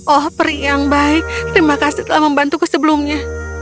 oh peri yang baik terima kasih telah membantuku sebelumnya